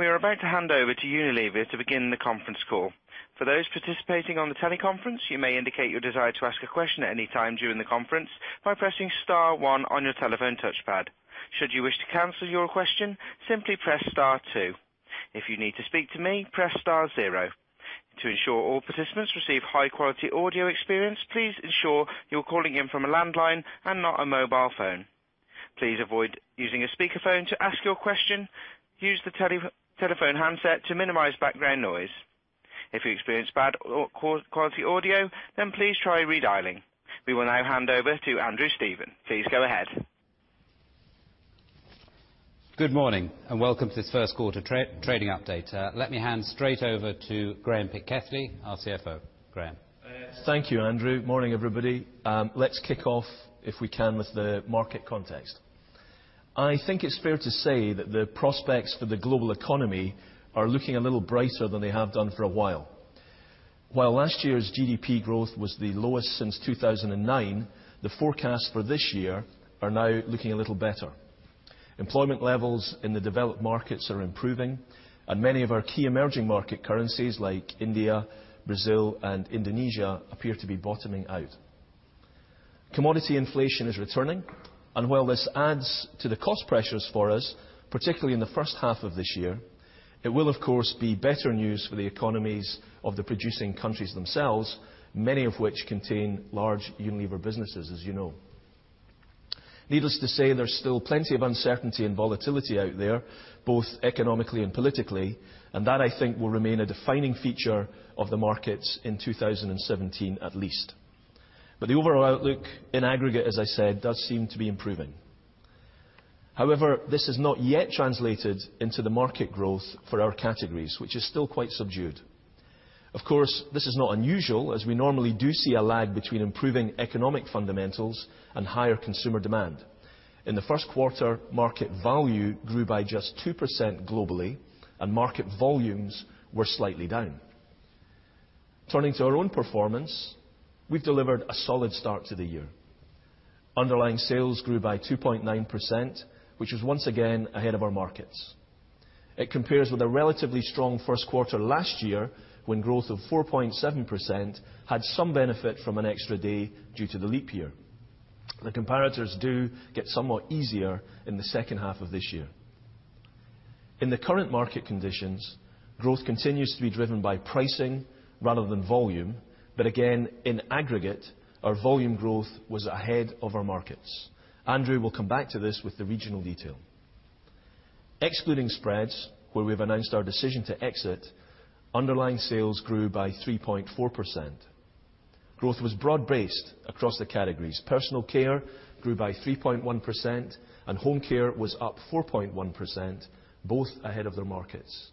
We are about to hand over to Unilever to begin the conference call. For those participating on the teleconference, you may indicate your desire to ask a question at any time during the conference by pressing star one on your telephone touchpad. Should you wish to cancel your question, simply press star two. If you need to speak to me, press star zero. To ensure all participants receive high-quality audio experience, please ensure you're calling in from a landline and not a mobile phone. Please avoid using a speakerphone to ask your question, use the telephone handset to minimize background noise. If you experience bad quality audio, please try redialing. We will now hand over to Andrew Stephen. Please go ahead. Good morning, and welcome to this first quarter trading update. Let me hand straight over to Graeme Pitkethly, our CFO. Graeme. Thank you, Andrew. Morning, everybody. Let's kick off, if we can, with the market context. I think it's fair to say that the prospects for the global economy are looking a little brighter than they have done for a while. While last year's GDP growth was the lowest since 2009, the forecasts for this year are now looking a little better. Employment levels in the developed markets are improving, many of our key emerging market currencies like India, Brazil, and Indonesia appear to be bottoming out. Commodity inflation is returning, while this adds to the cost pressures for us, particularly in the first half of this year, it will, of course, be better news for the economies of the producing countries themselves, many of which contain large Unilever businesses, as you know. Needless to say, there's still plenty of uncertainty and volatility out there, both economically and politically, that, I think, will remain a defining feature of the markets in 2017 at least. The overall outlook in aggregate, as I said, does seem to be improving. However, this has not yet translated into the market growth for our categories, which is still quite subdued. Of course, this is not unusual as we normally do see a lag between improving economic fundamentals and higher consumer demand. In the first quarter, market value grew by just 2% globally, market volumes were slightly down. Turning to our own performance, we've delivered a solid start to the year. Underlying sales grew by 2.9%, which was once again ahead of our markets. It compares with a relatively strong first quarter last year, when growth of 4.7% had some benefit from an extra day due to the leap year. The comparators do get somewhat easier in the second half of this year. In the current market conditions, growth continues to be driven by pricing rather than volume, but again, in aggregate, our volume growth was ahead of our markets. Andrew will come back to this with the regional detail. Excluding spreads where we've announced our decision to exit, underlying sales grew by 3.4%. Growth was broad-based across the categories. Personal care grew by 3.1%, and home care was up 4.1%, both ahead of their markets.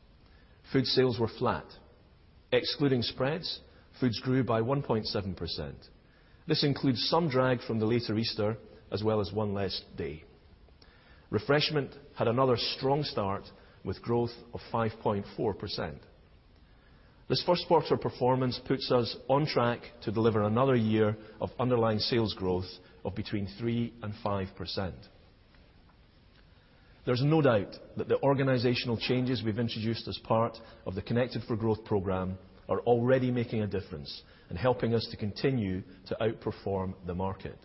Food sales were flat. Excluding spreads, foods grew by 1.7%. This includes some drag from the later Easter as well as one less day. Refreshment had another strong start, with growth of 5.4%. This first quarter performance puts us on track to deliver another year of underlying sales growth of between 3% and 5%. There's no doubt that the organizational changes we've introduced as part of the Connected for Growth program are already making a difference and helping us to continue to outperform the market.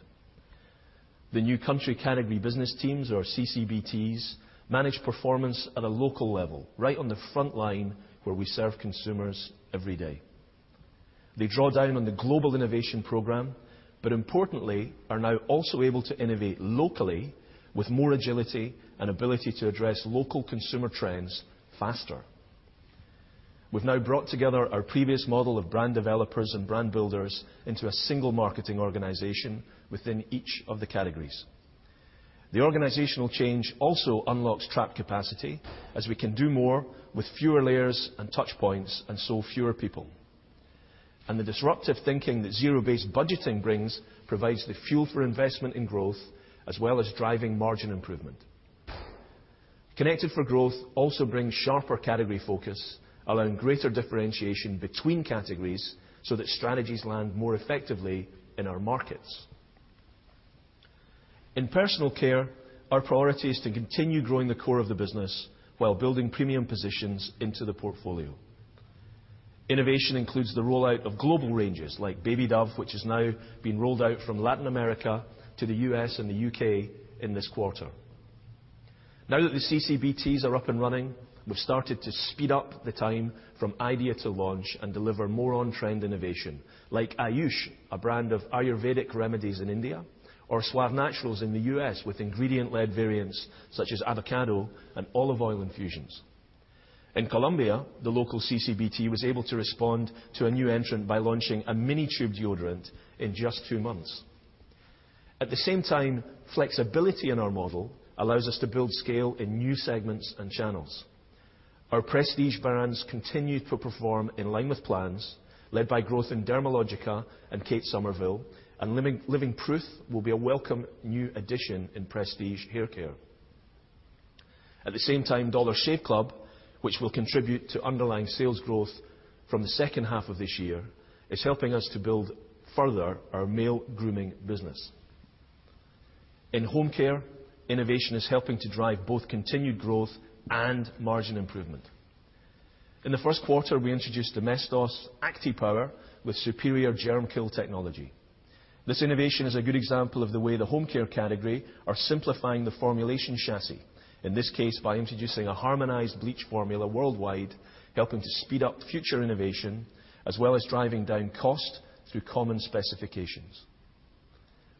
The new Country Category Business Teams, or CCBTs, manage performance at a local level, right on the front line where we serve consumers every day. They draw down on the global innovation program, but importantly, are now also able to innovate locally with more agility and ability to address local consumer trends faster. We've now brought together our previous model of brand developers and brand builders into a single marketing organization within each of the categories. The organizational change also unlocks trapped capacity as we can do more with fewer layers and touchpoints and so fewer people. The disruptive thinking that zero-based budgeting brings provides the fuel for investment in growth as well as driving margin improvement. Connected for Growth also brings sharper category focus, allowing greater differentiation between categories so that strategies land more effectively in our markets. In personal care, our priority is to continue growing the core of the business while building premium positions into the portfolio. Innovation includes the rollout of global ranges like Baby Dove, which is now being rolled out from Latin America to the U.S. and the U.K. in this quarter. Now that the CCBTs are up and running, we've started to speed up the time from idea to launch and deliver more on-trend innovation, like Ayush, a brand of Ayurvedic remedies in India, or Suave Naturals in the U.S. with ingredient-led variants such as avocado and olive oil infusions. In Colombia, the local CCBT was able to respond to a new entrant by launching a mini-tube deodorant in just two months. At the same time, flexibility in our model allows us to build scale in new segments and channels. Our prestige brands continued to perform in line with plans led by growth in Dermalogica and Kate Somerville, and Living Proof will be a welcome new addition in prestige haircare. At the same time, Dollar Shave Club, which will contribute to underlying sales growth from the second half of this year, is helping us to build further our male grooming business. In Home Care, innovation is helping to drive both continued growth and margin improvement. In the first quarter, we introduced Domestos ActiPower with superior germ kill technology. This innovation is a good example of the way the Home Care category are simplifying the formulation chassis, in this case by introducing a harmonized bleach formula worldwide, helping to speed up future innovation, as well as driving down cost through common specifications.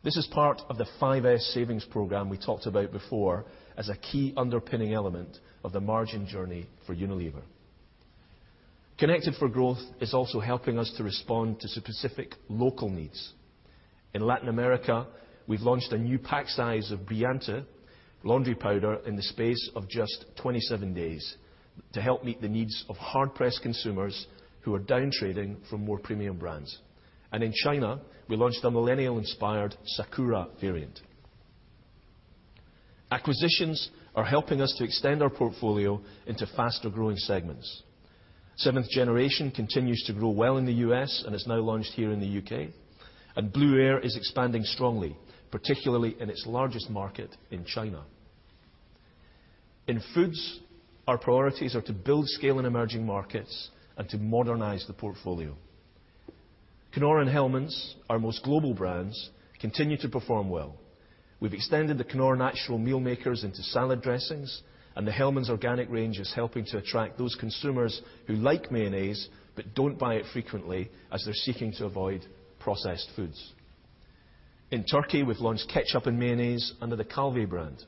This is part of the 5S savings program we talked about before as a key underpinning element of the margin journey for Unilever. Connected for Growth is also helping us to respond to specific local needs. In Latin America, we've launched a new pack size of Brilhante laundry powder in the space of just 27 days to help meet the needs of hard-pressed consumers who are down-trading from more premium brands. In China, we launched a millennial-inspired Sakura variant. Acquisitions are helping us to extend our portfolio into faster-growing segments. Seventh Generation continues to grow well in the U.S. and has now launched here in the U.K., and Blueair is expanding strongly, particularly in its largest market in China. In Foods, our priorities are to build scale in emerging markets and to modernize the portfolio. Knorr and Hellmann's, our most global brands, continue to perform well. We've extended the Knorr natural meal makers into salad dressings, and the Hellmann's organic range is helping to attract those consumers who like mayonnaise but don't buy it frequently as they're seeking to avoid processed foods. In Turkey, we've launched ketchup and mayonnaise under the Calvé brand.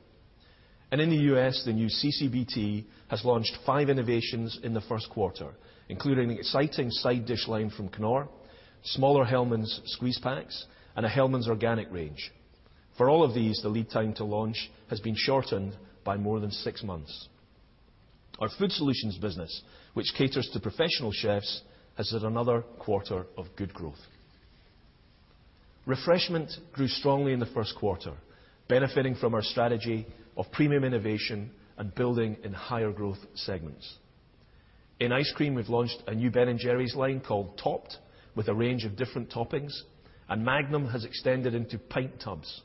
In the U.S., the new CCBT has launched five innovations in the first quarter, including an exciting side dish line from Knorr, smaller Hellmann's squeeze packs, and a Hellmann's organic range. For all of these, the lead time to launch has been shortened by more than six months. Our Food Solutions business, which caters to professional chefs, has had another quarter of good growth. Refreshment grew strongly in the first quarter, benefiting from our strategy of premium innovation and building in higher-growth segments. In ice cream, we've launched a new Ben & Jerry's line called Topped with a range of different toppings, and Magnum has extended into pint tubs.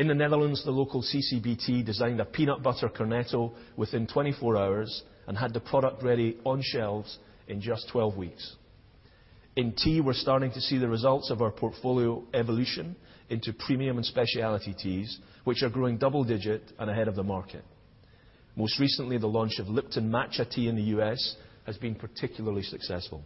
In the Netherlands, the local CCBT designed a peanut butter Cornetto within 24 hours and had the product ready on shelves in just 12 weeks. In tea, we're starting to see the results of our portfolio evolution into premium and specialty teas, which are growing double digit and ahead of the market. Most recently, the launch of Lipton Matcha Tea in the U.S. has been particularly successful.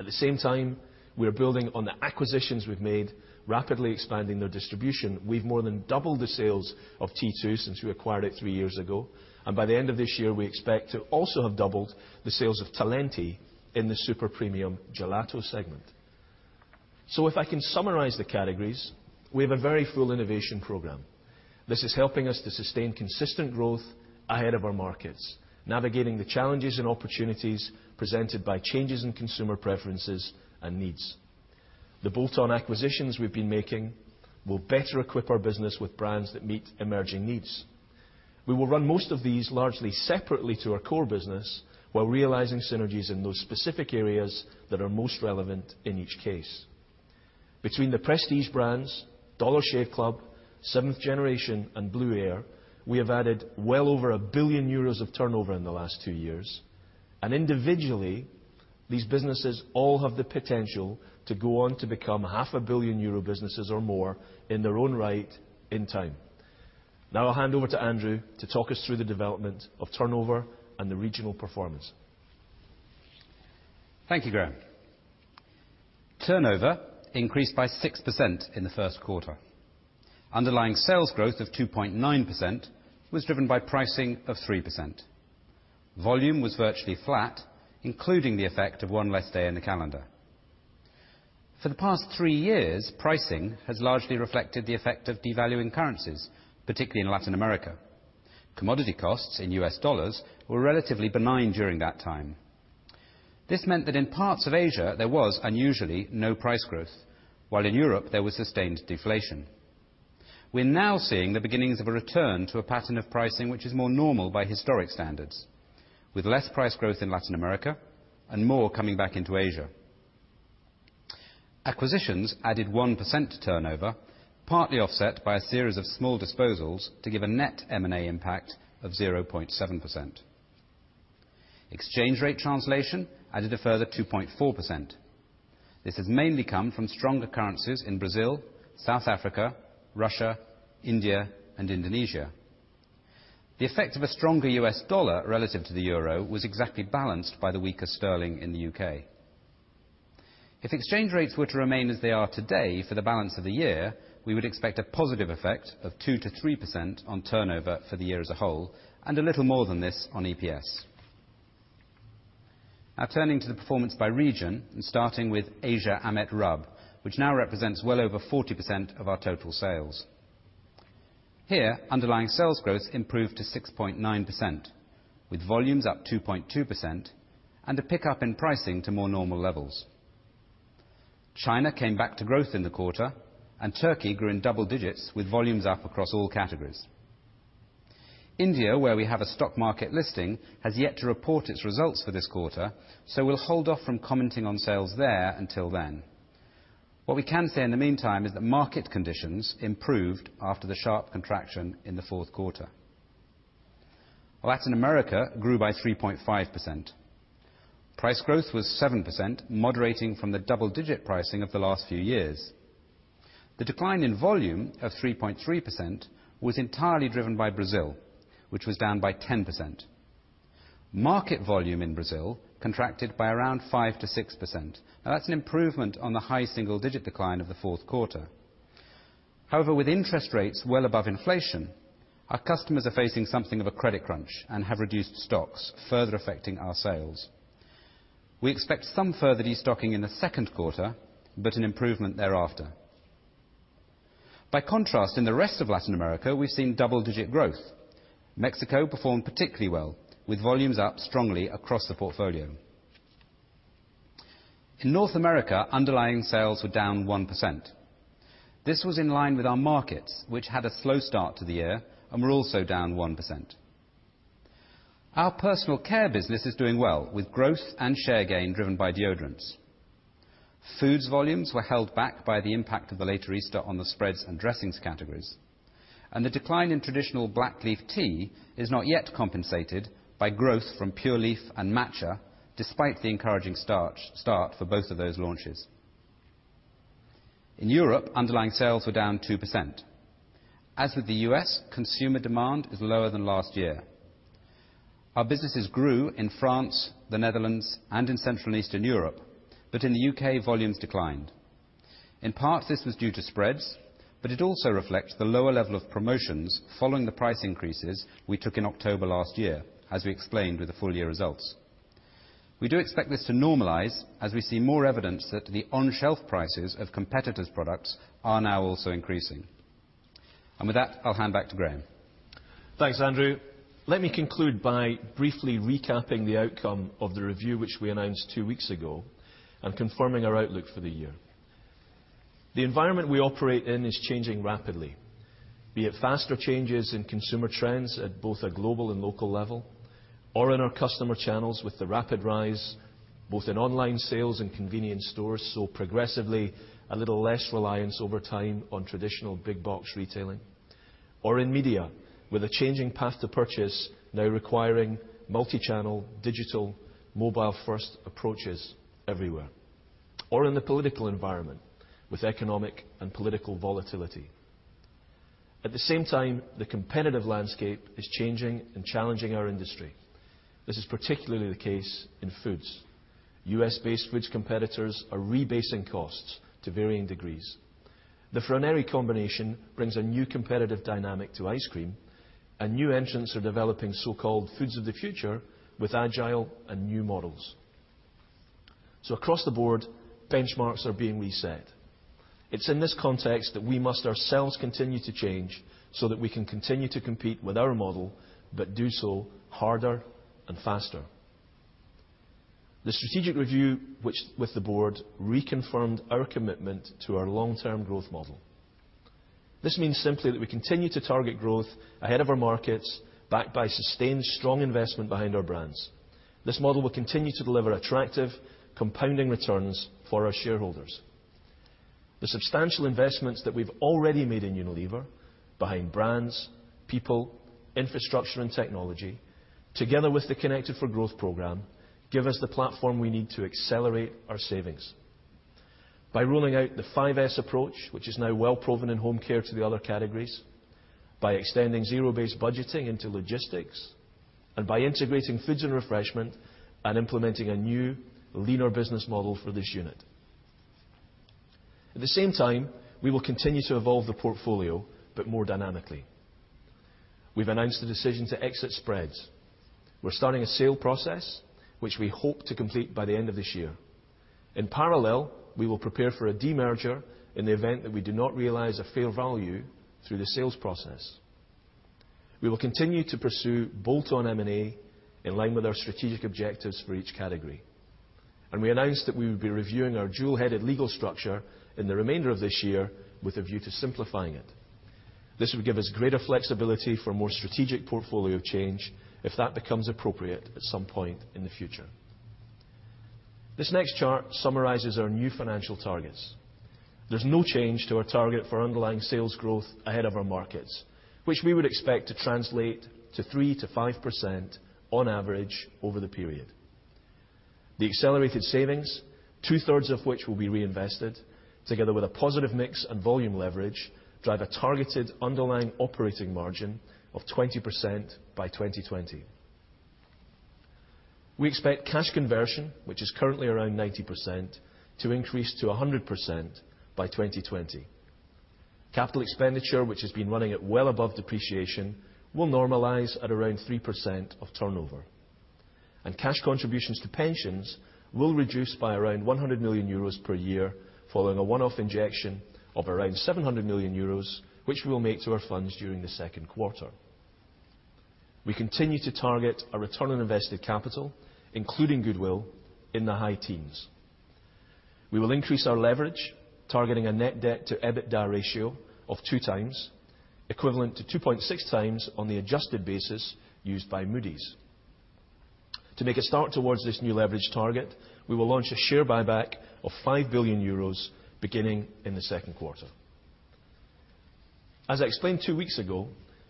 At the same time, we are building on the acquisitions we've made, rapidly expanding their distribution. We've more than doubled the sales of T2 since we acquired it three years ago, and by the end of this year, we expect to also have doubled the sales of Talenti in the super premium gelato segment. If I can summarize the categories, we have a very full innovation program. This is helping us to sustain consistent growth ahead of our markets, navigating the challenges and opportunities presented by changes in consumer preferences and needs. The bolt-on acquisitions we've been making will better equip our business with brands that meet emerging needs. We will run most of these largely separately to our core business while realizing synergies in those specific areas that are most relevant in each case. Between the prestige brands, Dollar Shave Club, Seventh Generation, and Blueair, we have added well over 1 billion euros of turnover in the last two years, and individually, these businesses all have the potential to go on to become 0.5 billion euro businesses or more in their own right in time. I'll hand over to Andrew to talk us through the development of turnover and the regional performance. Thank you, Graeme. Turnover increased by 6% in the first quarter. Underlying sales growth of 2.9% was driven by pricing of 3%. Volume was virtually flat, including the effect of one less day in the calendar. For the past three years, pricing has largely reflected the effect of devaluing currencies, particularly in Latin America. Commodity costs in U.S. dollars were relatively benign during that time. This meant that in parts of Asia, there was unusually no price growth, while in Europe there was sustained deflation. We are now seeing the beginnings of a return to a pattern of pricing which is more normal by historic standards, with less price growth in Latin America and more coming back into Asia. Acquisitions added 1% to turnover, partly offset by a series of small disposals to give a net M&A impact of 0.7%. Exchange rate translation added a further 2.4%. This has mainly come from stronger currencies in Brazil, South Africa, Russia, India, and Indonesia. The effect of a stronger U.S. dollar relative to the euro was exactly balanced by the weaker sterling in the U.K. If exchange rates were to remain as they are today for the balance of the year, we would expect a positive effect of 2%-3% on turnover for the year as a whole, and a little more than this on EPS. Turning to the performance by region, and starting with Asia AMET RUB, which now represents well over 40% of our total sales. Here, underlying sales growth improved to 6.9%, with volumes up 2.2% and a pickup in pricing to more normal levels. China came back to growth in the quarter, and Turkey grew in double digits with volumes up across all categories. India, where we have a stock market listing, has yet to report its results for this quarter, so we will hold off from commenting on sales there until then. What we can say in the meantime is that market conditions improved after the sharp contraction in the fourth quarter. Latin America grew by 3.5%. Price growth was 7%, moderating from the double-digit pricing of the last few years. The decline in volume of 3.3% was entirely driven by Brazil, which was down by 10%. Market volume in Brazil contracted by around 5%-6%. That is an improvement on the high single-digit decline of the fourth quarter. However, with interest rates well above inflation, our customers are facing something of a credit crunch and have reduced stocks, further affecting our sales. We expect some further de-stocking in the second quarter, but an improvement thereafter. By contrast, in the rest of Latin America, we've seen double-digit growth. Mexico performed particularly well, with volumes up strongly across the portfolio. In North America, underlying sales were down 1%. This was in line with our markets, which had a slow start to the year and were also down 1%. Our personal care business is doing well with growth and share gain driven by deodorants. Foods volumes were held back by the impact of the later Easter on the spreads and dressings categories, and the decline in traditional black leaf tea is not yet compensated by growth from Pure Leaf and matcha, despite the encouraging start for both of those launches. In Europe, underlying sales were down 2%. As with the U.S., consumer demand is lower than last year. Our businesses grew in France, the Netherlands, and in Central and Eastern Europe, but in the U.K., volumes declined. In part, this was due to spreads, but it also reflects the lower level of promotions following the price increases we took in October last year, as we explained with the full-year results. We do expect this to normalize as we see more evidence that the on-shelf prices of competitors' products are now also increasing. With that, I'll hand back to Graeme. Thanks, Andrew. Let me conclude by briefly recapping the outcome of the review, which we announced two weeks ago, and confirming our outlook for the year. The environment we operate in is changing rapidly. Be it faster changes in consumer trends at both a global and local level, or in our customer channels with the rapid rise both in online sales and convenience stores, so progressively a little less reliance over time on traditional big-box retailing. Or in media, with a changing path to purchase now requiring multi-channel, digital, mobile-first approaches everywhere, or in the political environment with economic and political volatility. At the same time, the competitive landscape is changing and challenging our industry. This is particularly the case in foods. U.S.-based foods competitors are rebasing costs to varying degrees. The Froneri combination brings a new competitive dynamic to ice cream, and new entrants are developing so-called foods of the future with agile and new models. Across the board, benchmarks are being reset. It's in this context that we must ourselves continue to change so that we can continue to compete with our model, but do so harder and faster. The strategic review with the board reconfirmed our commitment to our long-term growth model. This means simply that we continue to target growth ahead of our markets, backed by sustained strong investment behind our brands. This model will continue to deliver attractive compounding returns for our shareholders. The substantial investments that we've already made in Unilever behind brands, people, infrastructure, and technology, together with the Connected for Growth program, give us the platform we need to accelerate our savings. By rolling out the 5S approach, which is now well proven in home care to the other categories, by extending zero-based budgeting into logistics, and by integrating Foods and Refreshment and implementing a new leaner business model for this unit. At the same time, we will continue to evolve the portfolio but more dynamically. We've announced the decision to exit spreads. We're starting a sale process, which we hope to complete by the end of this year. In parallel, we will prepare for a demerger in the event that we do not realize a fair value through the sales process. We will continue to pursue bolt-on M&A in line with our strategic objectives for each category. We announced that we would be reviewing our dual-headed legal structure in the remainder of this year with a view to simplifying it. This would give us greater flexibility for more strategic portfolio change if that becomes appropriate at some point in the future. This next chart summarizes our new financial targets. There's no change to our target for underlying sales growth ahead of our markets, which we would expect to translate to 3%-5% on average over the period. The accelerated savings, two-thirds of which will be reinvested, together with a positive mix and volume leverage, drive a targeted underlying operating margin of 20% by 2020. We expect cash conversion, which is currently around 90%, to increase to 100% by 2020. Capital expenditure, which has been running at well above depreciation, will normalize at around 3% of turnover. Cash contributions to pensions will reduce by around 100 million euros per year following a one-off injection of around 700 million euros, which we'll make to our funds during the second quarter. We continue to target a return on invested capital, including goodwill, in the high teens. We will increase our leverage, targeting a net debt to EBITDA ratio of two times, equivalent to 2.6 times on the adjusted basis used by Moody's. To make a start towards this new leverage target, we will launch a share buyback of 5 billion euros beginning in the second quarter. As I explained two weeks ago,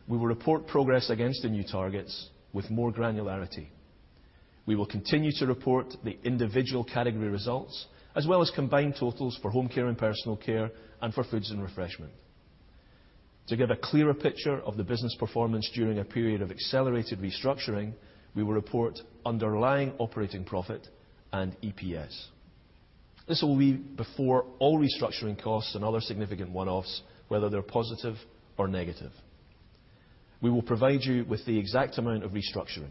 we will report progress against the new targets with more granularity. We will continue to report the individual category results, as well as combined totals for Home Care and Personal Care, and for Foods and Refreshment. To give a clearer picture of the business performance during a period of accelerated restructuring, we will report underlying operating profit and EPS. This will be before all restructuring costs and other significant one-offs, whether they're positive or negative. We will provide you with the exact amount of restructuring.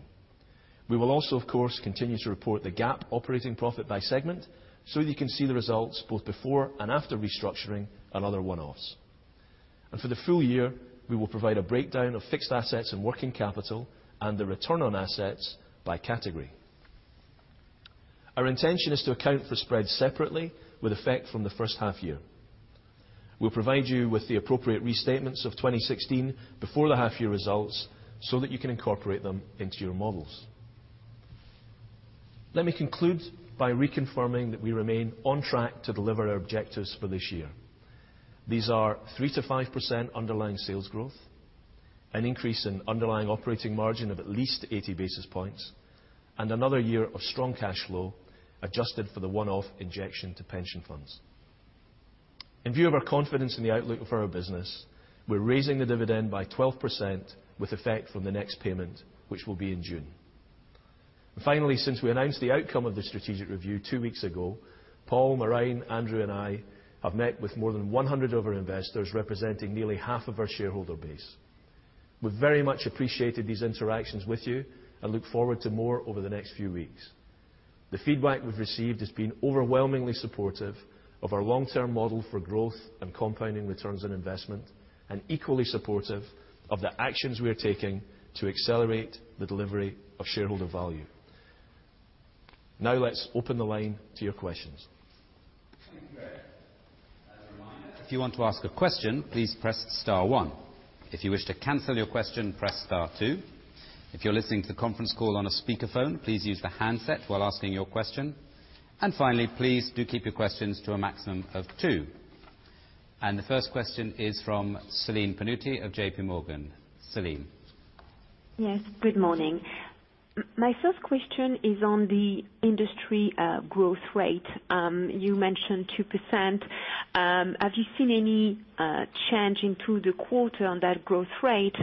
We will also, of course, continue to report the GAAP operating profit by segment so you can see the results both before and after restructuring and other one-offs. For the full year, we will provide a breakdown of fixed assets and working capital and the return on assets by category. Our intention is to account for spreads separately with effect from the first half year. We'll provide you with the appropriate restatements of 2016 before the half year results so that you can incorporate them into your models. Let me conclude by reconfirming that we remain on track to deliver our objectives for this year. These are 3%-5% underlying sales growth, an increase in underlying operating margin of at least 80 basis points, and another year of strong cash flow, adjusted for the one-off injection to pension funds. In view of our confidence in the outlook for our business, we're raising the dividend by 12% with effect from the next payment, which will be in June. Finally, since we announced the outcome of the strategic review two weeks ago, Paul, Maureen, Andrew, and I have met with more than 100 of our investors, representing nearly half of our shareholder base. We've very much appreciated these interactions with you and look forward to more over the next few weeks. The feedback we've received has been overwhelmingly supportive of our long-term model for growth and compounding returns on investment, and equally supportive of the actions we are taking to accelerate the delivery of shareholder value. Let's open the line to your questions. Thank you. As a reminder, if you want to ask a question, please press star one. If you wish to cancel your question, press star two. If you're listening to the conference call on a speakerphone, please use the handset while asking your question. Finally, please do keep your questions to a maximum of two. The first question is from Celine Pannuti of JPMorgan. Celine? Yes, good morning. My first question is on the industry growth rate. You mentioned 2%. Have you seen any change into the quarter on that growth rate?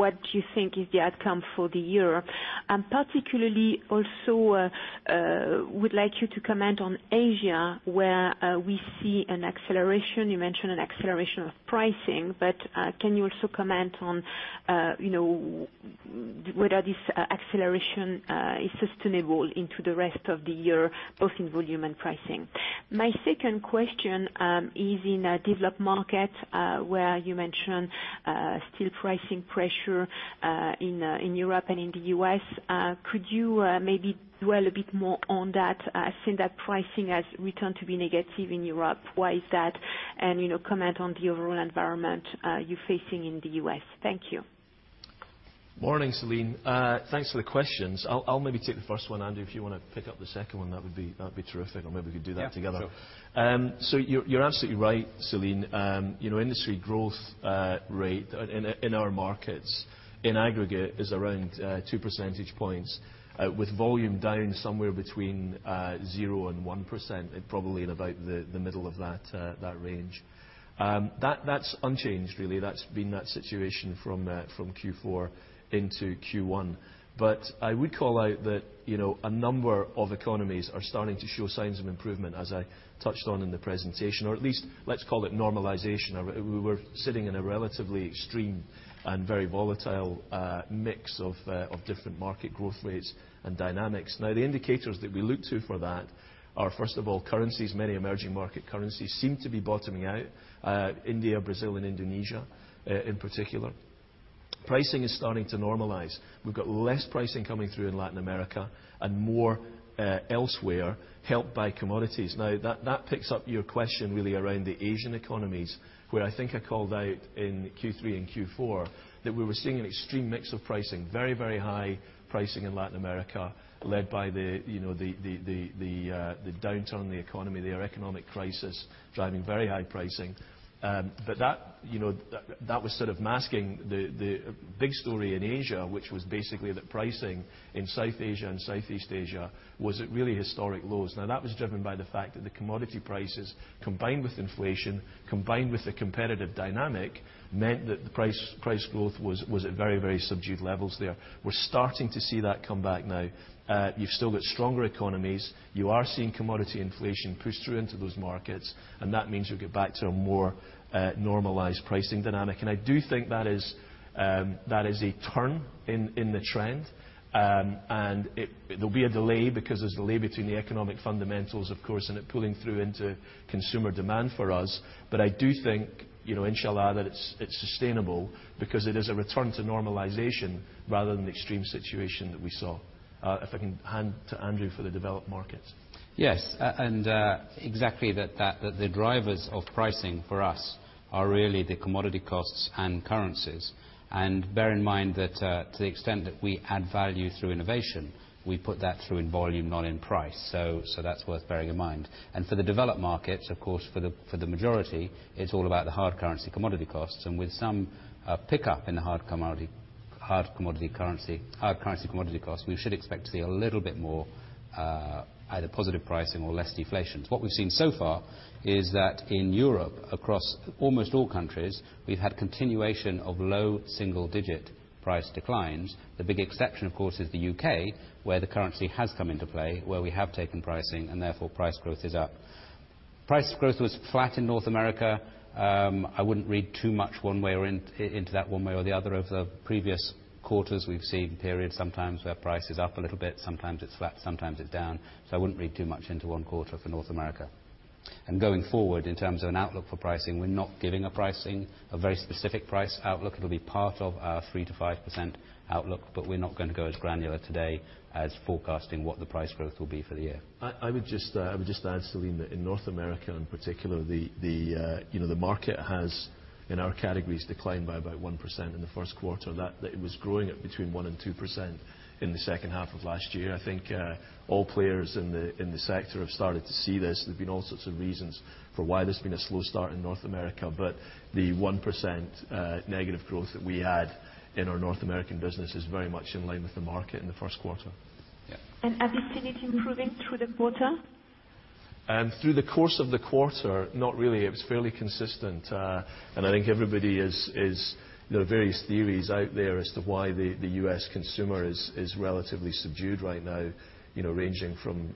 What do you think is the outcome for the year? Particularly, also would like you to comment on Asia, where we see an acceleration. You mentioned an acceleration of pricing, but can you also comment on whether this acceleration is sustainable into the rest of the year, both in volume and pricing? My second question is in developed markets, where you mentioned still pricing pressure in Europe and in the U.S. Could you maybe dwell a bit more on that, seeing that pricing has returned to be negative in Europe? Why is that? Comment on the overall environment you're facing in the U.S. Thank you. Morning, Celine. Thanks for the questions. I'll maybe take the first one. Andrew, if you want to pick up the second one, that'd be terrific. Maybe we could do that together. Yeah, sure. You're absolutely right, Celine. Industry growth rate in our markets in aggregate is around two percentage points, with volume down somewhere between 0% and 1%, probably in about the middle of that range. That's unchanged, really. That's been that situation from Q4 into Q1. I would call out that a number of economies are starting to show signs of improvement as I touched on in the presentation, or at least let's call it normalization. We were sitting in a relatively extreme and very volatile mix of different market growth rates and dynamics. The indicators that we look to for that are, first of all, currencies. Many emerging market currencies seem to be bottoming out. India, Brazil, and Indonesia in particular. Pricing is starting to normalize. We've got less pricing coming through in Latin America and more elsewhere, helped by commodities. That picks up your question really around the Asian economies, where I think I called out in Q3 and Q4 that we were seeing an extreme mix of pricing, very, very high pricing in Latin America, led by the downturn in the economy there, economic crisis driving very high pricing. That was sort of masking the big story in Asia, which was basically that pricing in South Asia and Southeast Asia was at really historic lows. That was driven by the fact that the commodity prices, combined with inflation, combined with the competitive dynamic, meant that the price growth was at very, very subdued levels there. We're starting to see that come back now. You've still got stronger economies. You are seeing commodity inflation push through into those markets, and that means you'll get back to a more normalized pricing dynamic. I do think that is a turn in the trend. There'll be a delay because there's a delay between the economic fundamentals, of course, and it pulling through into consumer demand for us. I do think, inshallah, that it's sustainable because it is a return to normalization rather than the extreme situation that we saw. If I can hand to Andrew for the developed markets. Yes. Exactly that the drivers of pricing for us are really the commodity costs and currencies. Bear in mind that to the extent that we add value through innovation, we put that through in volume, not in price. That's worth bearing in mind. For the developed markets, of course, for the majority, it's all about the hard currency commodity costs. With some pickup in the hard currency commodity costs, we should expect to see a little bit more either positive pricing or less deflations. What we've seen so far is that in Europe, across almost all countries, we've had continuation of low single-digit price declines. The big exception, of course, is the U.K., where the currency has come into play, where we have taken pricing, and therefore, price growth is up. Price growth was flat in North America. I wouldn't read too much into that one way or the other. Over the previous quarters, we've seen periods sometimes where price is up a little bit, sometimes it's flat, sometimes it's down. I wouldn't read too much into one quarter for North America. Going forward, in terms of an outlook for pricing, we're not giving a very specific price outlook. It'll be part of our 3%-5% outlook, but we're not going to go as granular today as forecasting what the price growth will be for the year. I would just add, Celine, that in North America in particular, the market has, in our categories, declined by about 1% in the first quarter, that it was growing at between 1% and 2% in the second half of last year. I think all players in the sector have started to see this. There have been all sorts of reasons for why there's been a slow start in North America, but the 1% negative growth that we had in our North American business is very much in line with the market in the first quarter. Yeah. Have you seen it improving through the quarter? Through the course of the quarter, not really. It was fairly consistent. There are various theories out there as to why the U.S. consumer is relatively subdued right now, ranging from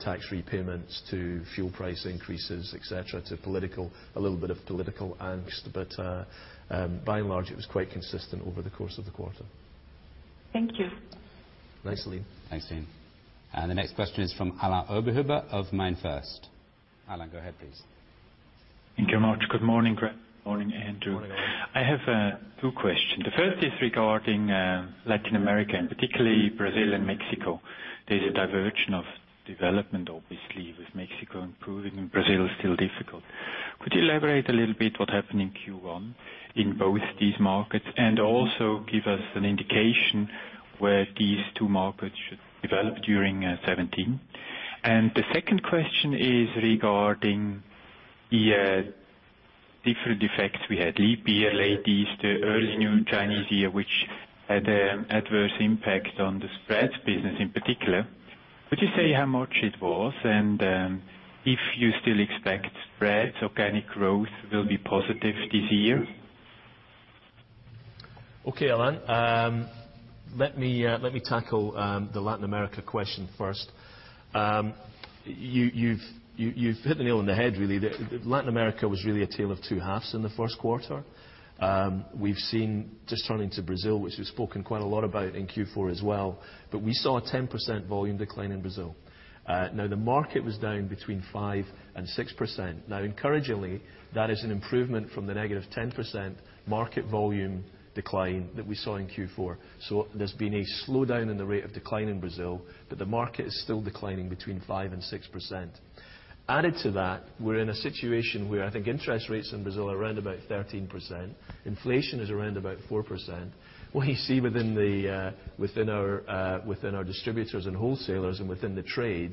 tax repayments to fuel price increases, et cetera, to a little bit of political angst. By and large, it was quite consistent over the course of the quarter. Thank you. Right, Celine. Thanks, Celine. The next question is from Alain Oberhuber of MainFirst. Alain, go ahead, please. Thank you very much. Good morning, Graeme. Good morning, Andrew. Morning, Alain. I have two questions. The first is regarding Latin America, and particularly Brazil and Mexico. There is a diversion of development, obviously, with Mexico improving, and Brazil still difficult. Could you elaborate a little bit what happened in Q1 in both these markets, and also give us an indication where these two markets should develop during 2017? The second question is regarding the different effects we had, leap year, late Easter, early New Chinese Year, which had adverse impact on the spreads business in particular. Could you say how much it was, and if you still expect spreads organic growth will be positive this year? Okay, Alain. Let me tackle the Latin America question first. You've hit the nail on the head, really. Latin America was really a tale of two halves in the first quarter. We've seen, just turning to Brazil, which we've spoken quite a lot about in Q4 as well, we saw a 10% volume decline in Brazil. The market was down between 5% and 6%. Encouragingly, that is an improvement from the negative 10% market volume decline that we saw in Q4. There's been a slowdown in the rate of decline in Brazil, but the market is still declining between 5% and 6%. Added to that, we're in a situation where I think interest rates in Brazil are around about 13%. Inflation is around about 4%. What you see within our distributors and wholesalers and within the trade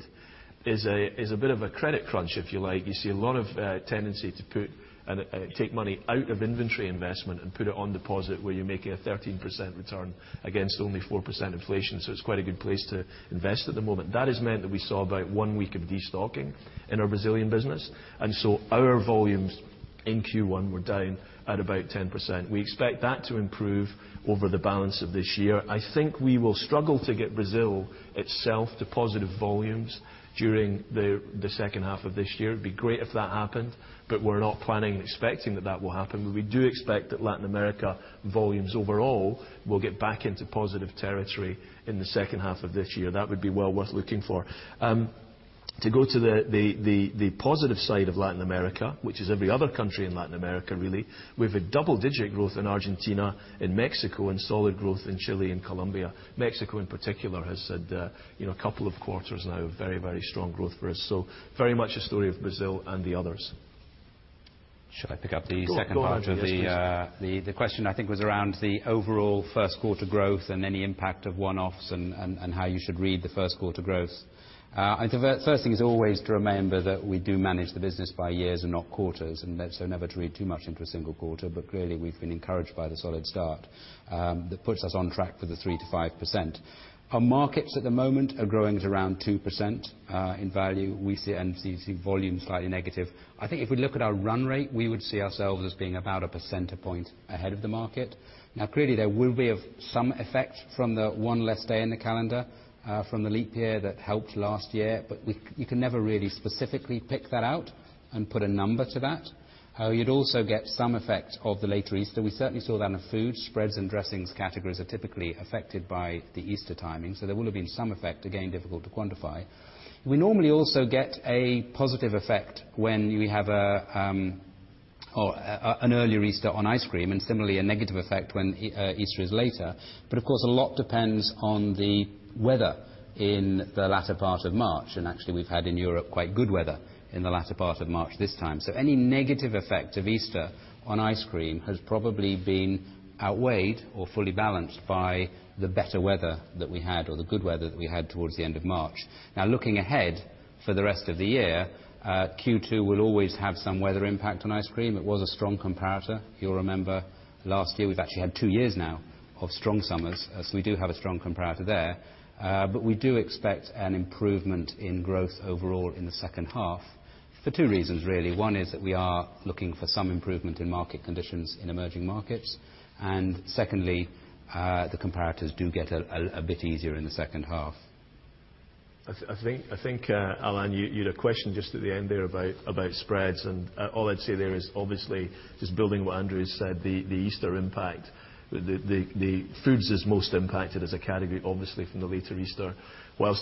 is a bit of a credit crunch, if you like. You see a lot of tendency to take money out of inventory investment and put it on deposit where you're making a 13% return against only 4% inflation. It's quite a good place to invest at the moment. That has meant that we saw about one week of destocking in our Brazilian business, our volumes in Q1 were down at about 10%. We expect that to improve over the balance of this year. I think we will struggle to get Brazil itself to positive volumes during the second half of this year. It'd be great if that happened, we're not planning and expecting that that will happen. We do expect that Latin America volumes overall will get back into positive territory in the second half of this year. That would be well worth looking for. To go to the positive side of Latin America, which is every other country in Latin America, really. We've a double-digit growth in Argentina and Mexico and solid growth in Chile and Colombia. Mexico, in particular, has had a couple of quarters now of very, very strong growth for us. Very much a story of Brazil and the others. Should I pick up the second part of the- Go ahead, yes please The question I think was around the overall first quarter growth and any impact of one-offs and how you should read the first quarter growth. I think the first thing is always to remember that we do manage the business by years and not quarters, never to read too much into a single quarter. Clearly, we've been encouraged by the solid start that puts us on track for the 3%-5%. Our markets at the moment are growing at around 2% in value. We see volume slightly negative. I think if we look at our run rate, we would see ourselves as being about a percentage point ahead of the market. Clearly, there will be some effect from the one less day in the calendar from the leap year that helped last year, you can never really specifically pick that out and put a number to that. You'd also get some effect of the later Easter. We certainly saw that in the food spreads and dressings categories are typically affected by the Easter timing, there will have been some effect, again, difficult to quantify. We normally also get a positive effect when we have an earlier Easter on ice cream, similarly a negative effect when Easter is later. Of course, a lot depends on the weather in the latter part of March, actually we've had in Europe quite good weather in the latter part of March this time. Any negative effect of Easter on ice cream has probably been outweighed or fully balanced by the better weather that we had, or the good weather that we had towards the end of March. Looking ahead, for the rest of the year, Q2 will always have some weather impact on ice cream. It was a strong comparator. You'll remember last year, we've actually had two years now of strong summers, we do have a strong comparator there. We do expect an improvement in growth overall in the second half, for two reasons, really. One is that we are looking for some improvement in market conditions in emerging markets, secondly, the comparators do get a bit easier in the second half. I think, Alain, you had a question just at the end there about spreads. All I'd say there is obviously just building what Andrew has said, the Easter impact, the foods is most impacted as a category, obviously, from the later Easter.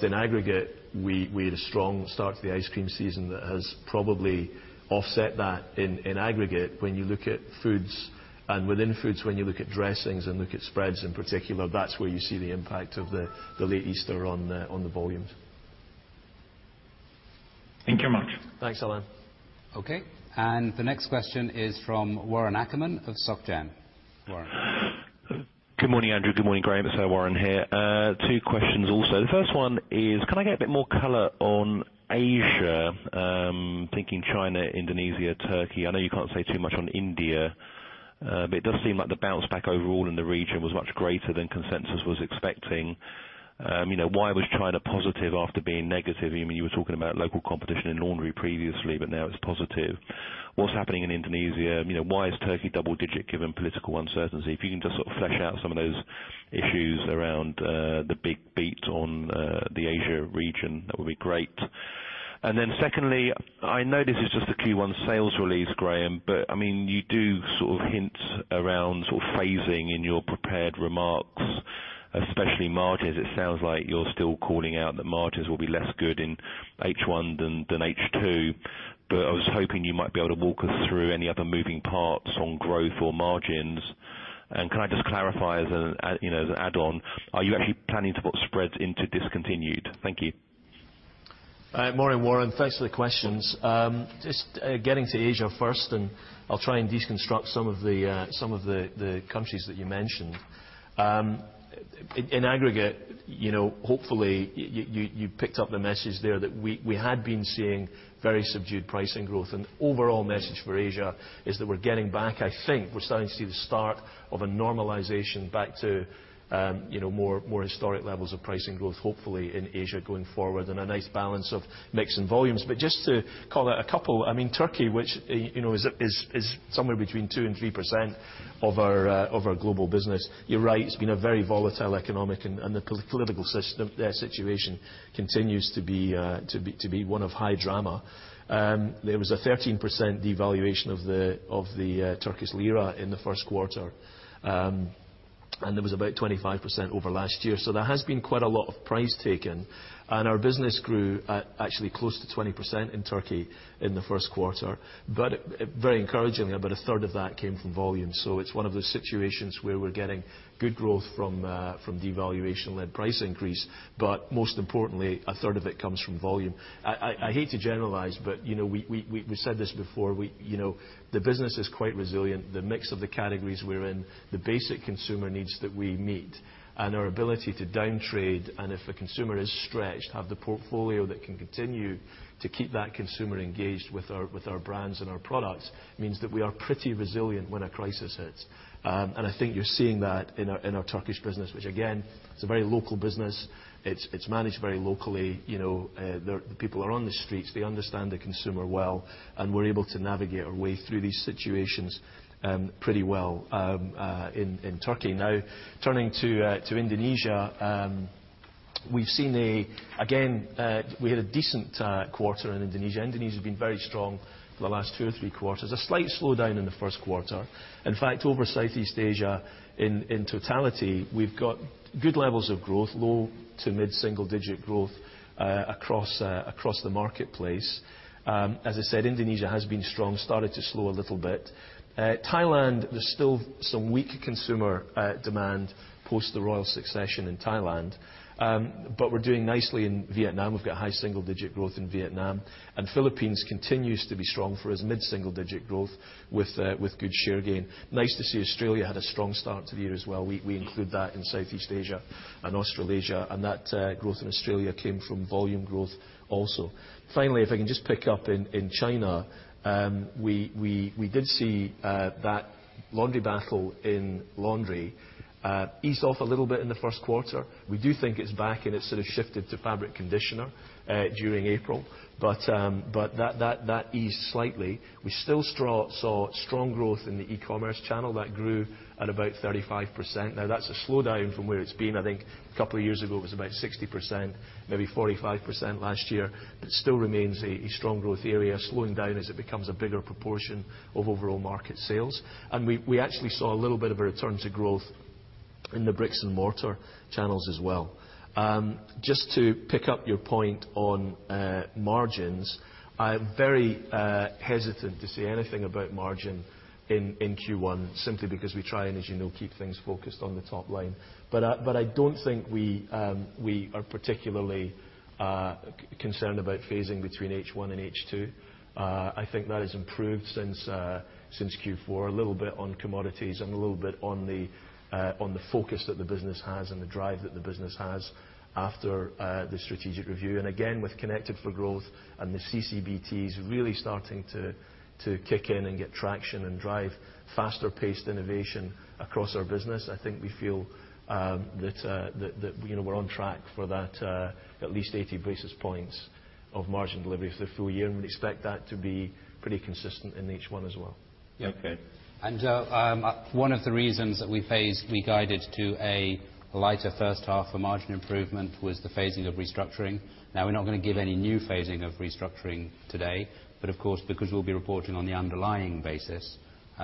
In aggregate, we had a strong start to the ice cream season that has probably offset that in aggregate when you look at foods, and within foods when you look at dressings and look at spreads in particular, that's where you see the impact of the late Easter on the volumes. Thank you much. Thanks, Alain. The next question is from Warren Ackerman of Société Générale. Warren. Good morning, Andrew. Good morning, Graeme. It's Warren here. Two questions, also. The first one is, can I get a bit more color on Asia? I'm thinking China, Indonesia, Turkey. I know you can't say too much on India. It does seem like the bounce back overall in the region was much greater than consensus was expecting. Why was China positive after being negative? You were talking about local competition in laundry previously, but now it's positive. What's happening in Indonesia? Why is Turkey double-digit given political uncertainty? If you can just flesh out some of those issues around the big beat on the Asia region, that would be great. Secondly, I know this is just a Q1 sales release, Graeme, but you do hint around phasing in your prepared remarks, especially margins. It sounds like you're still calling out that margins will be less good in H1 than H2. I was hoping you might be able to walk us through any other moving parts on growth or margins. Can I just clarify as an add-on, are you actually planning to put spreads into discontinued? Thank you. All right, morning, Warren. Thanks for the questions. Just getting to Asia first, I'll try and deconstruct some of the countries that you mentioned. In aggregate, hopefully, you picked up the message there that we had been seeing very subdued pricing growth. Overall message for Asia is that we're getting back, I think we're starting to see the start of a normalization back to more historic levels of pricing growth, hopefully, in Asia going forward and a nice balance of mix and volumes. Just to call out a couple, Turkey, which is somewhere between 2% and 3% of our global business. You're right, it's been a very volatile economic and the political situation continues to be one of high drama. There was a 13% devaluation of the Turkish lira in the first quarter. There was about 25% over last year. There has been quite a lot of price taken, our business grew at actually close to 20% in Turkey in the first quarter, very encouragingly, about a third of that came from volume. It's one of those situations where we're getting good growth from devaluation-led price increase, most importantly, a third of it comes from volume. I hate to generalize, we said this before, the business is quite resilient. The mix of the categories we're in, the basic consumer needs that we meet, our ability to downtrade, if a consumer is stretched, have the portfolio that can continue to keep that consumer engaged with our brands and our products means that we are pretty resilient when a crisis hits. I think you're seeing that in our Turkish business, which again, is a very local business. It's managed very locally. The people are on the streets. They understand the consumer well, we're able to navigate our way through these situations pretty well in Turkey. Now, turning to Indonesia. Again, we had a decent quarter in Indonesia. Indonesia had been very strong for the last two or three quarters. A slight slowdown in the first quarter. In fact, over Southeast Asia, in totality, we've got good levels of growth, low to mid-single digit growth, across the marketplace. As I said, Indonesia has been strong, started to slow a little bit. Thailand, there's still some weak consumer demand post the royal succession in Thailand. We're doing nicely in Vietnam. We've got high single digit growth in Vietnam. Philippines continues to be strong for us, mid-single digit growth with good share gain. Nice to see Australia had a strong start to the year as well. We include that in Southeast Asia and Australasia, that growth in Australia came from volume growth also. Finally, if I can just pick up in China, we did see that laundry battle in laundry ease off a little bit in the first quarter. We do think it's back and it's shifted to fabric conditioner during April, but that eased slightly. We still saw strong growth in the e-commerce channel. That grew at about 35%. That's a slowdown from where it's been. I think a couple of years ago it was about 60%, maybe 45% last year, but still remains a strong growth area, slowing down as it becomes a bigger proportion of overall market sales. We actually saw a little bit of a return to growth in the bricks and mortar channels as well. Just to pick up your point on margins, I'm very hesitant to say anything about margin in Q1, simply because we try and, as you know, keep things focused on the top line. I don't think we are particularly concerned about phasing between H1 and H2. I think that has improved since Q4 a little bit on commodities and a little bit on the focus that the business has and the drive that the business has after the strategic review. Again, with Connected for Growth and the CCBTs really starting to kick in and get traction and drive faster paced innovation across our business, I think we feel that we're on track for that at least 80 basis points of margin delivery for the full year, and we'd expect that to be pretty consistent in H1 as well. Okay. One of the reasons that we phased, we guided to a lighter first half for margin improvement was the phasing of restructuring. We're not going to give any new phasing of restructuring today. Of course, because we'll be reporting on the underlying basis,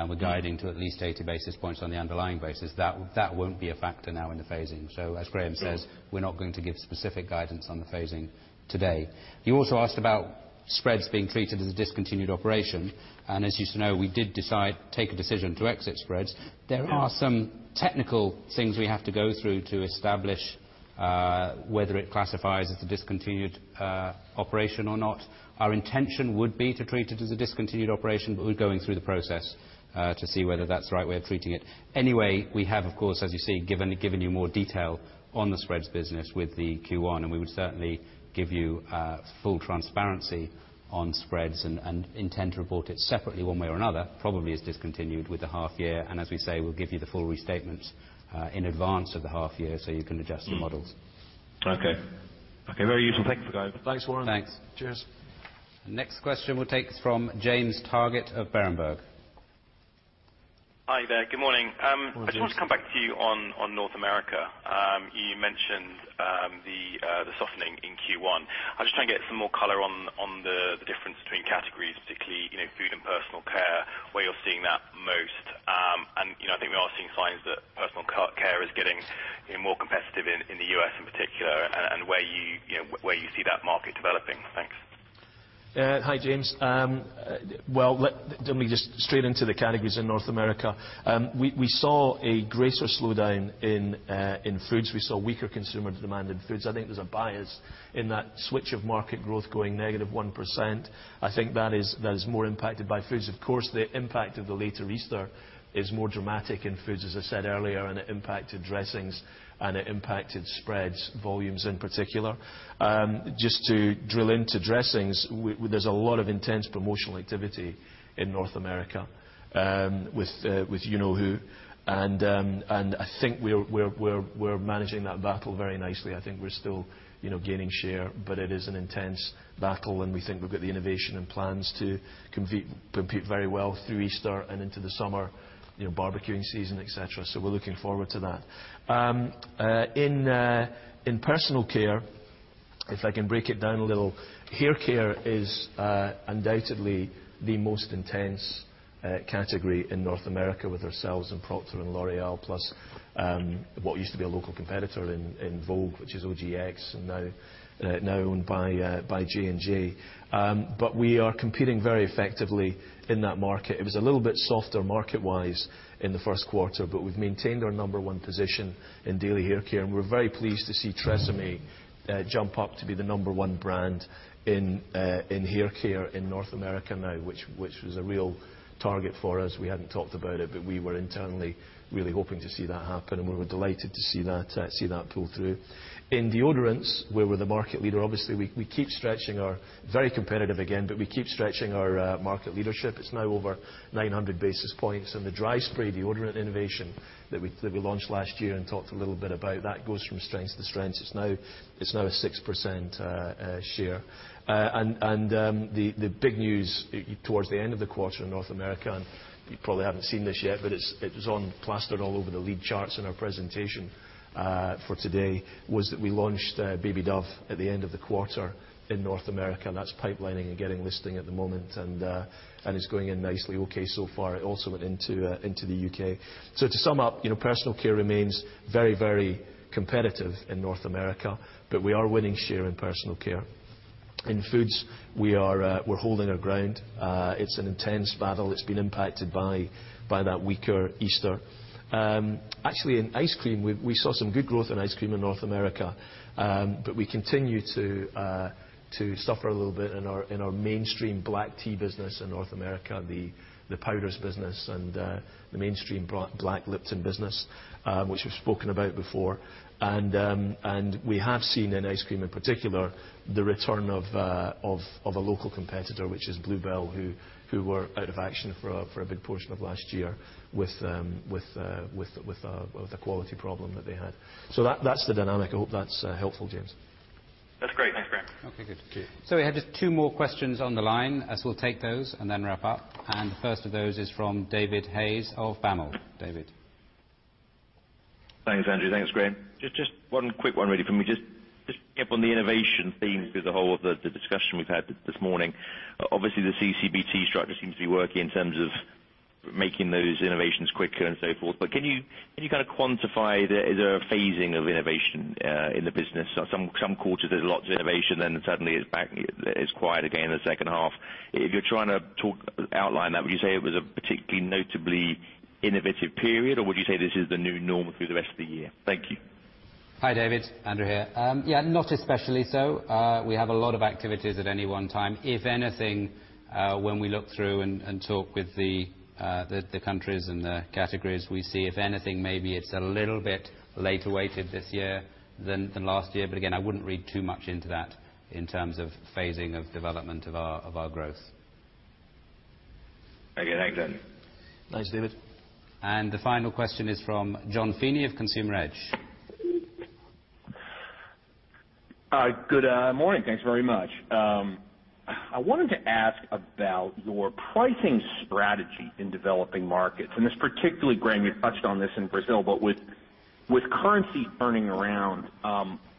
we're guiding to at least 80 basis points on the underlying basis. That won't be a factor now in the phasing. As Graeme says, we're not going to give specific guidance on the phasing today. You also asked about spreads being treated as a discontinued operation. As you know, we did take a decision to exit spreads. There are some technical things we have to go through to establish whether it classifies as a discontinued operation or not. Our intention would be to treat it as a discontinued operation, we're going through the process to see whether that's the right way of treating it. We have, of course, as you see, given you more detail on the spreads business with the Q1, we would certainly give you full transparency on spreads and intend to report it separately one way or another, probably as discontinued with the half year. As we say, we'll give you the full restatements in advance of the half year so you can adjust your models. Okay. Very useful. Thank you for that. Thanks, Warren. Thanks. Cheers. Next question we'll take is from James Targett of Berenberg. Hi there. Good morning. Morning, James. I just want to come back to you on North America. You mentioned the softening in Q1. I am just trying to get some more color on the difference between categories, particularly food and personal care, where you are seeing that most. I think we are seeing signs that personal care is getting more competitive in the U.S. in particular, and where you see that market developing. Thanks. Hi, James. Well, let me just straight into the categories in North America. We saw a greater slowdown in foods. We saw weaker consumer demand in foods. I think there is a bias in that switch of market growth going negative 1%. I think that is more impacted by foods. Of course, the impact of the later Easter is more dramatic in foods, as I said earlier, and it impacted dressings and it impacted spreads volumes in particular. Just to drill into dressings, there is a lot of intense promotional activity in North America with you know who. I think we are managing that battle very nicely. I think we are still gaining share, but it is an intense battle. We think we have got the innovation and plans to compete very well through Easter and into the summer, barbecuing season, et cetera. We are looking forward to that. In personal care, if I can break it down a little, hair care is undoubtedly the most intense category in North America with ourselves and Procter & L'Oréal, plus what used to be a local competitor in Vogue, which is OGX and now owned by J&J. We are competing very effectively in that market. It was a little bit softer market-wise in the first quarter, but we have maintained our number 1 position in daily hair care. We are very pleased to see TRESemmé jump up to be the number 1 brand in hair care in North America now, which was a real target for us. We had not talked about it, but we were internally really hoping to see that happen. We were delighted to see that pull through. In deodorants, where we're the market leader, obviously, we keep stretching our Very competitive again, but we keep stretching our market leadership. It's now over 900 basis points. The Dry Spray deodorant innovation that we launched last year and talked a little bit about, that goes from strength to strength. It's now a 6% share. The big news towards the end of the quarter in North America, and you probably haven't seen this yet, but it was on plastered all over the lead charts in our presentation for today, was that we launched Baby Dove at the end of the quarter in North America, and that's pipelining and getting listing at the moment, and it's going in nicely okay so far. It also went into the U.K. To sum up, personal care remains very, very competitive in North America, but we are winning share in personal care. In foods, we're holding our ground. It's an intense battle. It's been impacted by that weaker Easter. Actually, in ice cream, we saw some good growth in ice cream in North America, but we continue to suffer a little bit in our mainstream black tea business in North America, the powders business and the mainstream black Lipton business, which we've spoken about before. We have seen in ice cream in particular, the return of a local competitor, which is Blue Bell, who were out of action for a big portion of last year with a quality problem that they had. That's the dynamic. I hope that's helpful, James. That's great. Thanks, Graeme. Okay, good. Thank you. We have just two more questions on the line, as we'll take those and then wrap up. The first of those is from David Hayes of Baml. David. Thanks, Andrew. Thanks, Graeme. Just one quick one really for me. Just Keep on the innovation theme through the whole of the discussion we've had this morning. Obviously, the CCBT structure seems to be working in terms of making those innovations quicker and so forth. Can you quantify, is there a phasing of innovation in the business? Some quarters there's lots of innovation, then suddenly it's quiet again in the second half. If you're trying to outline that, would you say it was a particularly notably innovative period, or would you say this is the new normal through the rest of the year? Thank you. Hi, David. Andrew here. Yeah, not especially so. We have a lot of activities at any one time. If anything, when we look through and talk with the countries and the categories we see, if anything, maybe it's a little bit later weighted this year than last year. Again, I wouldn't read too much into that in terms of phasing of development of our growth. Okay. Thanks, Andrew. Thanks, David. The final question is from John Feeney of Consumer Edge. Hi. Good morning. Thanks very much. I wanted to ask about your pricing strategy in developing markets, this particularly, Graeme, you touched on this in Brazil, but with currency turning around,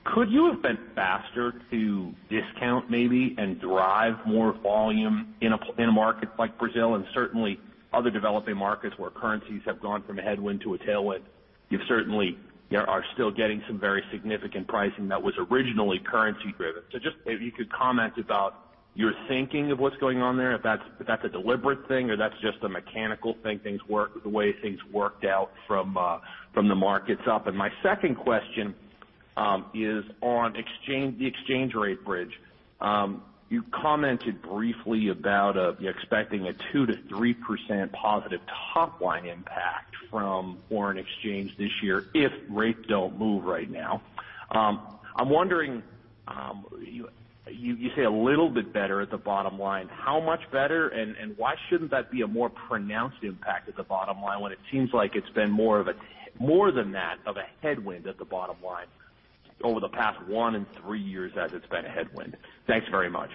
could you have been faster to discount maybe and drive more volume in a market like Brazil and certainly other developing markets where currencies have gone from a headwind to a tailwind? You certainly are still getting some very significant pricing that was originally currency driven. Just if you could comment about your thinking of what's going on there, if that's a deliberate thing or that's just a mechanical thing, things work the way things worked out from the markets up. My second question is on the exchange rate bridge. You commented briefly about expecting a 2%-3% positive top line impact from foreign exchange this year if rates don't move right now. I'm wondering, you say a little bit better at the bottom line. How much better, and why shouldn't that be a more pronounced impact at the bottom line when it seems like it's been more than that of a headwind at the bottom line over the past one and three years as it's been a headwind? Thanks very much.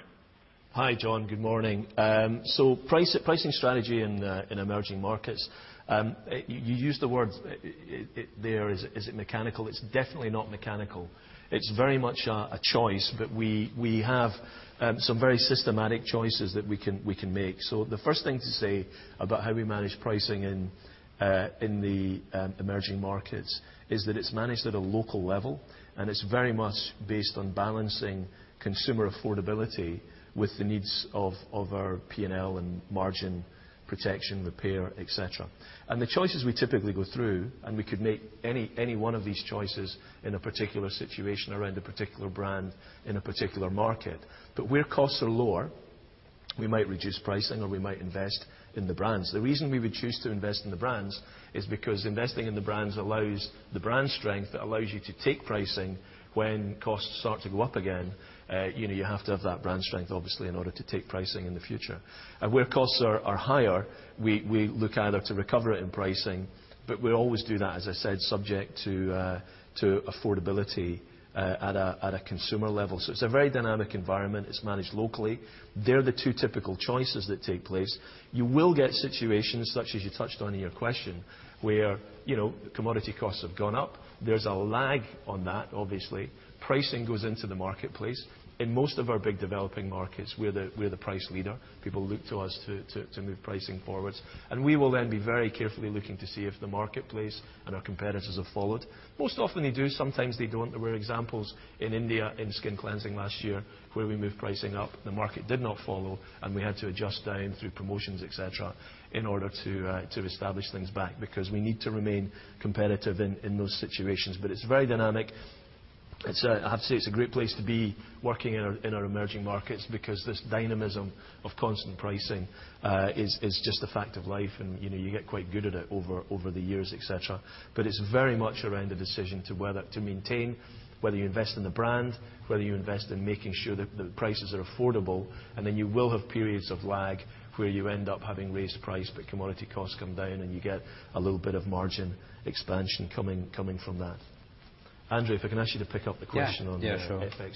Hi, John. Good morning. Pricing strategy in emerging markets. You used the words there, is it mechanical? It's definitely not mechanical. It's very much a choice, but we have some very systematic choices that we can make. The first thing to say about how we manage pricing in the emerging markets is that it's managed at a local level, and it's very much based on balancing consumer affordability with the needs of our P&L and margin protection, repair, et cetera. The choices we typically go through, and we could make any one of these choices in a particular situation around a particular brand in a particular market, but where costs are lower, we might reduce pricing or we might invest in the brands. The reason we would choose to invest in the brands is because investing in the brands allows the brand strength that allows you to take pricing when costs start to go up again. You have to have that brand strength, obviously, in order to take pricing in the future. Where costs are higher, we look either to recover it in pricing, but we always do that, as I said, subject to affordability at a consumer level. It's a very dynamic environment. It's managed locally. They are the two typical choices that take place. You will get situations such as you touched on in your question, where commodity costs have gone up. There's a lag on that, obviously. Pricing goes into the marketplace. In most of our big developing markets, we're the price leader. People look to us to move pricing forwards. We will then be very carefully looking to see if the marketplace and our competitors have followed. Most often they do. Sometimes they don't. There were examples in India in skin cleansing last year where we moved pricing up. The market did not follow, and we had to adjust down through promotions, et cetera, in order to establish things back, because we need to remain competitive in those situations. It's very dynamic. I have to say, it's a great place to be working in our emerging markets because this dynamism of constant pricing is just a fact of life, and you get quite good at it over the years, et cetera. It's very much around the decision to whether to maintain, whether you invest in the brand, whether you invest in making sure that the prices are affordable, and then you will have periods of lag where you end up having raised price, but commodity costs come down and you get a little bit of margin expansion coming from that. Andrew, if I can ask you to pick up the question on FX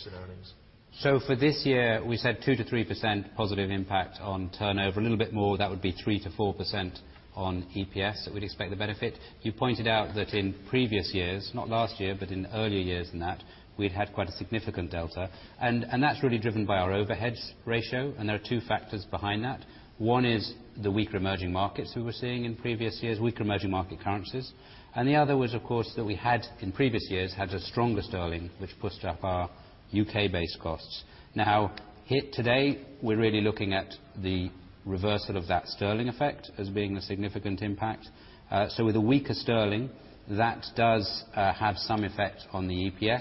and earnings. For this year, we said 2%-3% positive impact on turnover. A little bit more, that would be 3%-4% on EPS that we'd expect to benefit. You pointed out that in previous years, not last year, but in earlier years than that, we'd had quite a significant delta, and that's really driven by our overheads ratio, and there are two factors behind that. One is the weaker emerging markets we were seeing in previous years, weaker emerging market currencies. The other was, of course, that we had, in previous years, had a stronger sterling, which pushed up our U.K.-based costs. Today, we're really looking at the reversal of that sterling effect as being the significant impact. With a weaker sterling, that does have some effect on the EPS,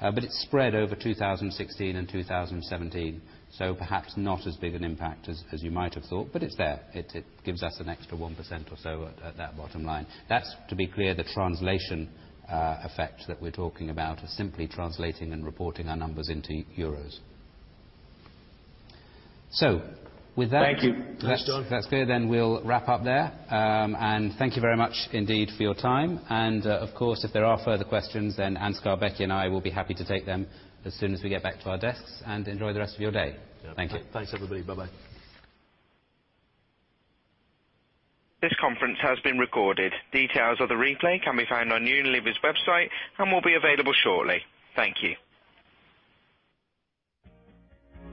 but it's spread over 2016 and 2017. Perhaps not as big an impact as you might have thought, but it's there. It gives us an extra 1% or so at that bottom line. That's, to be clear, the translation effect that we're talking about, is simply translating and reporting our numbers into euros. Thank you. If that's clear, we'll wrap up there. Thank you very much indeed for your time. Of course, if there are further questions, Aneka Souben and I will be happy to take them as soon as we get back to our desks, and enjoy the rest of your day. Thank you. Thanks, everybody. Bye-bye. This conference has been recorded. Details of the replay can be found on Unilever's website and will be available shortly. Thank you.